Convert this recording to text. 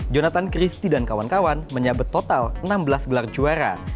jonathan christie dan kawan kawan menyabet total enam belas gelar juara